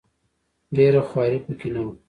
ډېره خواري په کې نه وه.